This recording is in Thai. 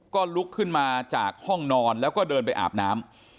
ก็ลุกขึ้นมาจากห้องนอนแล้วก็เดินไปอาบน้ำ